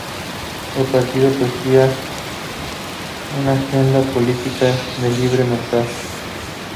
El partido poseía una agenda política de libre mercado.